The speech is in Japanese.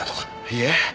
いいえ。